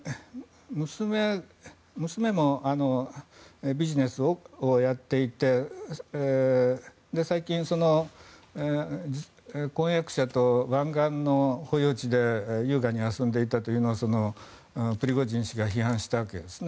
娘もビジネスをやっていて最近、婚約者と湾岸の保有地で優雅に遊んでいたというのをプリゴジン氏が批判したわけですね。